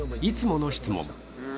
いつもの質問